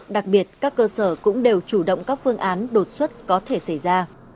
đặc biệt các cơ sở cũng đều chủ động các phương án đột xuất có thể xảy ra